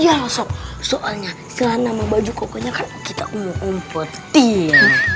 iya loh sob soalnya setelah nama baju kokonya kan kita umur umur tiang